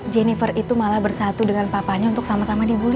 jennifer itu malah bersatu dengan papanya untuk sama sama dibull